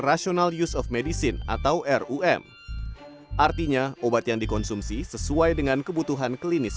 rasional use of medicine atau rum artinya obat yang dikonsumsi sesuai dengan kebutuhan klinis